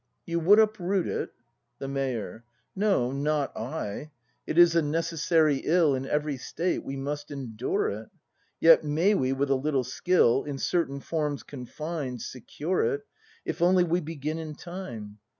You would uproot it ? The Mayor. No, not I! It is a necessary ill In every state: we must endure it; Yet may we, with a little skill, In certain forms confine, secure it, If only we begin in time.